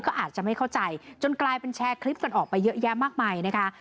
ก็อาจจะไม่เข้าใจจนกลายเป็นแชร์คลิปกันออกไปเยอะแยะมากมายนะคะ